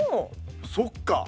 そっか！